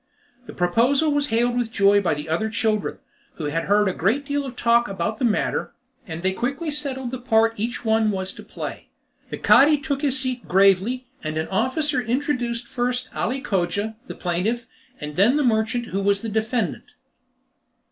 The proposal was hailed with joy by the other children, who had heard a great deal of talk about the matter, and they quickly settled the part each one was to play. The Cadi took his seat gravely, and an officer introduced first Ali Cogia, the plaintiff, and then the merchant who was the defendant.